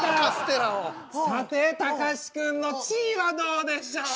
さてたかしくんの地位はどうでしょう？